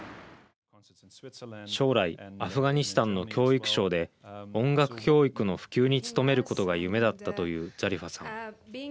将来アフガニスタンの教育省で音楽教育の普及に努めることが夢だったというザリファさん。